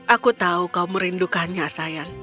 aku tahu kau merindukannya sayang